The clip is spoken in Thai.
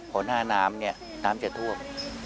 พอหน้าน้ำน้ำจะท่วม